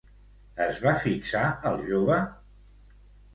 Es va fixar el jove?